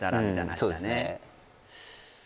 そうですね